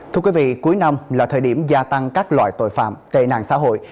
thưa quý vị cuối năm là thời điểm gia tăng các loại tội phạm tệ nạn xã hội